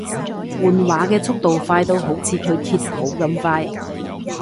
換畫嘅速度快到好似佢揭譜咁快